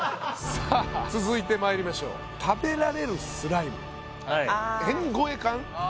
さあ続いてまいりましょう食べられるスライム変声カン？